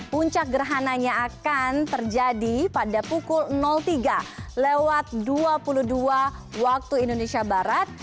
puncak gerhananya akan terjadi pada pukul tiga lewat dua puluh dua waktu indonesia barat